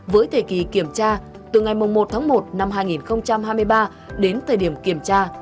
với thời kỳ kiểm tra từ ngày một tháng một năm hai nghìn hai mươi ba đến thời điểm kiểm tra